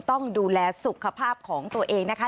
ต้องดูแลสุขภาพของตัวเองนะคะ